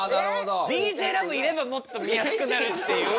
ＤＪＬＯＶＥいればもっと見やすくなるっていう。